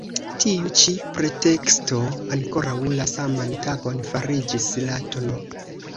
Tiu ĉi preteksto ankoraŭ la saman tagon fariĝis la tn.